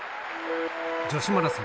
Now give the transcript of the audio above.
女子マラソン。